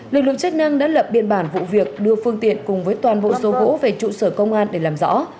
lực lượng chức năng đã lập biên bản vụ việc đưa phương tiện cùng với toàn bộ số gỗ về trụ sở công an để làm rõ